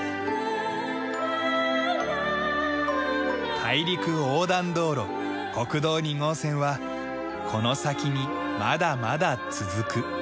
大陸横断道路国道２号線はこの先にまだまだ続く。